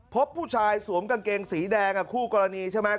พบผู้ชายสวมกางเกงสีแดงคู่กรณีใช่ไหม